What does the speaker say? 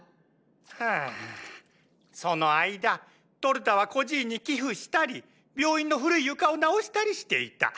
はぁその間トルタは孤児院に寄付したり病院の古い床を直したりしていた。